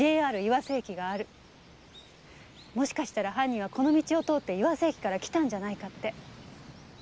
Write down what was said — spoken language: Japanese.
もしかしたら犯人はこの道を通って岩瀬駅から来たんじゃないかって。